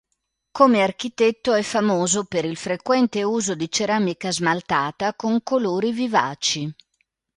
Come architetto è famoso per il frequente uso di ceramica smaltata con colori vivaci.